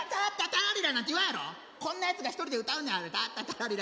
こんなやつが１人で歌うねんあれ。